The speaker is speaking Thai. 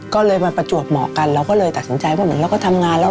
ก็เลยมาประจวบเหมาะกันเราก็เลยตัดสินใจว่าเหมือนเราก็ทำงานแล้ว